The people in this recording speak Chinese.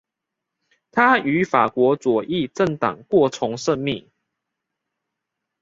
他与法国左翼政党过从甚密。